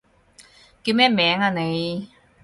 叫咩名啊你？